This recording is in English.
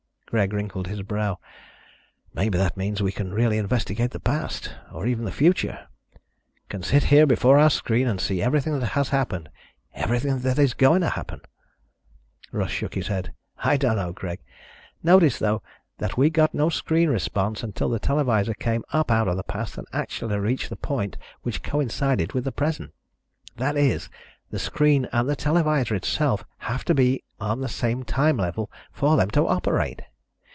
Greg wrinkled his brow. "Maybe that means we can really investigate the past, or even the future. Can sit here before our screen and see everything that has happened, everything that is going to happen." Russ shook his head. "I don't know, Greg. Notice, though, that we got no screen response until the televisor came up out of the past and actually reached the point which coincided with the present. That is, the screen and the televisor itself have to be on the same time level for them to operate.